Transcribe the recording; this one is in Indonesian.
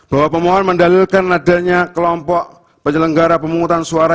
bahwa pemohon mendalilkan adanya kelompok penyelenggara pemungutan suara